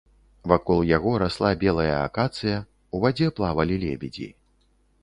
Вакол яго расла белая акацыя, у вадзе плавалі лебедзі.